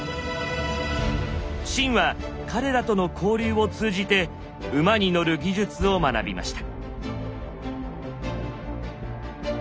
秦は彼らとの交流を通じて「馬に乗る技術」を学びました。